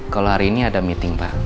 kalau hari ini ada meeting pak